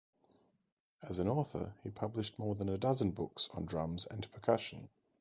As an author, he published more than a dozen books on drums and percussion.